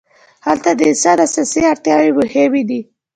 هلته د انسان اساسي اړتیاوې مهمې دي.